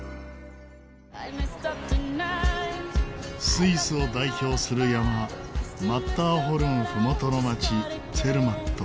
スイスを代表する山マッターホルン麓の町ツェルマット。